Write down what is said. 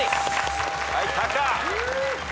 はいタカ。